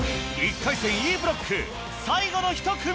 １回戦Ｅブロック最後の１組